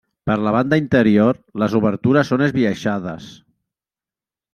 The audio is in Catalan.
Per la banda interior, les obertures són esbiaixades.